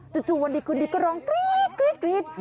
จุดจุวันดีคืนนี้ก็ร้องกรี๊ดกรี๊ดกรี๊ด